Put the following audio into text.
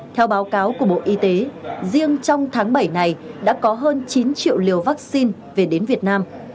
theo báo cáo của bộ y tế riêng trong tháng bảy này đã có hơn chín triệu liều vaccine về đến việt nam